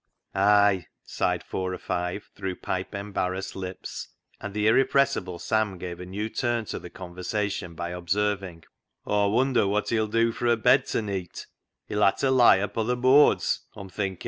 " Ay," sighed four or five, through pipe embarrassed lips, and the irrepressible Sam gave a new turn to the conversation by observing —" Aw wundur wot he'll dew for a bed ta neet; he'll ha' ta lie upo' th' boards, Aw'm thinkin'."